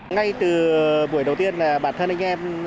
ngay từ buổi đầu tiên là bản thân anh em